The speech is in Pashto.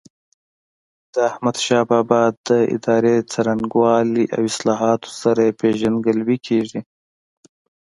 د احمدشاه بابا د ادارې څرنګوالي او اصلاحاتو سره یې پيژندګلوي کېږي.